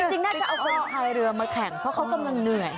จริงน่าจะเอาคนพายเรือมาแข่งเพราะเขากำลังเหนื่อย